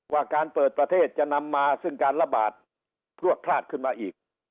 การเปิดประเทศจะนำมาซึ่งการระบาดพลวดพลาดขึ้นมาอีก